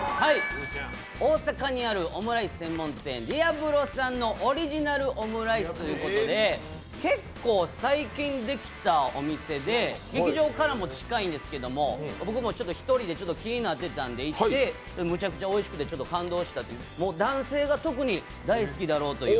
大阪にあるオムライス専門店ＤＥＡＲＢＲＯＳ．さんのオリジナルオムライス、結構最近できたお店で、劇場からも近いんですが僕も１人で気になってたんで行ってむちゃくちゃおいしくて感動したということで、男性が特に大好きだろうという